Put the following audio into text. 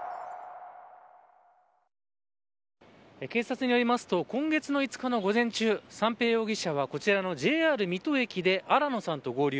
警察によりますと今月の５日の午前中三瓶容疑者はこちらのＪＲ水戸駅で新野さんと合流。